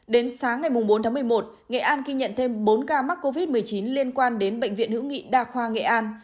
đến sáng ngày bốn tháng một mươi một nghệ an ghi nhận thêm bốn ca mắc covid một mươi chín liên quan đến bệnh viện hữu nghị đa khoa nghệ an